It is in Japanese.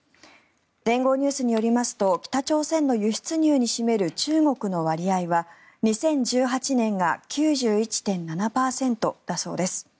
連合ニュースによると北朝鮮の輸出入における中国の割合は２０１８年が９１．７％だそうです。